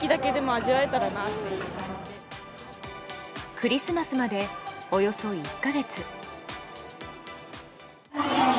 クリスマスまで、およそ１か月。